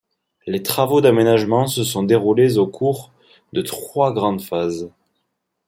Les travaux d'aménagement se sont déroulés au cours de trois grandes phases.